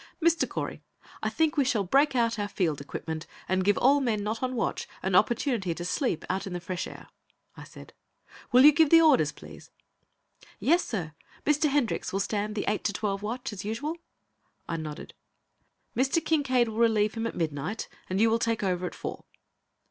"Mr. Correy, I think we shall break out our field equipment and give all men not on watch an opportunity to sleep out in the fresh air," I said. "Will you give the orders, please?" "Yes, sir. Mr. Hendricks will stand the eight to twelve watch as usual?" I nodded. "Mr. Kincaide will relieve him at midnight, and you will take over at four."